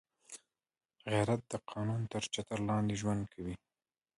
غیرت د قانون تر چتر لاندې ژوند کوي